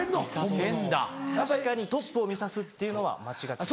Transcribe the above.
確かにトップを見さすっていうのは間違ってない。